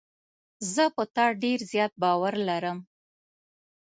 زه په تا ډېر زیات باور لرم.